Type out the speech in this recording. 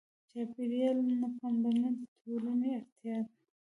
چاپېریال ته پاملرنه د ټولنې اړتیا ده.